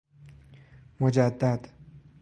مجدد